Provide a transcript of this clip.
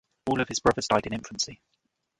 All of his brothers died in infancy.